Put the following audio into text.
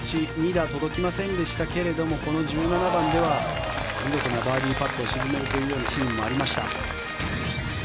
２打届きませんでしたけれどこの１７番では見事なバーディーパットを沈めるというシーンもありました。